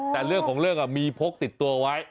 แต่เรื่องของเรื่องมีพกติดตัวไว้